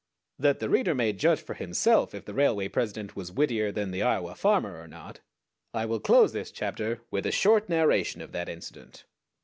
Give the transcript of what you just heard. That the reader may judge for himself if the railway president was wittier than the Iowa farmer or not, I will close this chapter with a short narration of that incident.